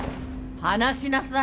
・離しなさい。